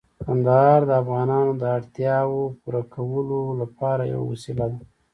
کندهار د افغانانو د اړتیاوو پوره کولو لپاره یوه وسیله ده.